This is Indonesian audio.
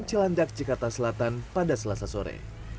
celanjak cikata selatan pada selasa sore